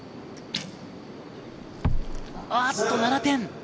あっと、７点。